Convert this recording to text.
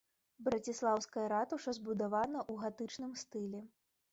Браціслаўская ратуша збудавана ў гатычным стылі.